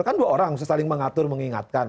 kan dua orang harus saling mengatur mengingatkan